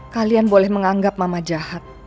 kalian boleh menganggap mama jahat